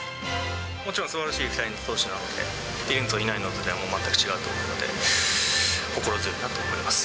もちろん、すばらしい２人の投手なので、いるのといないのとは全く違うと思うので、心強いなと思います。